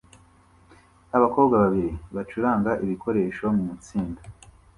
Abakobwa babiri bacuranga ibikoresho mu itsinda